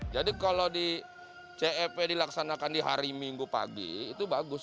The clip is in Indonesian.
jadi kalau di cep dilaksanakan di hari minggu pagi itu bagus